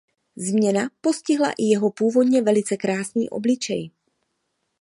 Změna postihla i jeho původně velice krásný obličej.